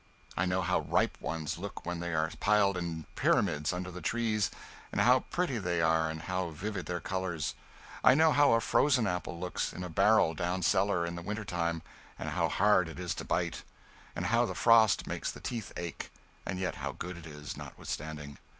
I know how ripe ones look when they are piled in pyramids under the trees, and how pretty they are and how vivid their colors. I know how a frozen apple looks, in a barrel down cellar in the winter time, and how hard it is to bite, and how the frost makes the teeth ache, and yet how good it is, notwithstanding.